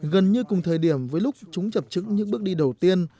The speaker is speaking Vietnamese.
gần như cùng thời điểm với lúc chúng chập trứng những bước đi đầu tiên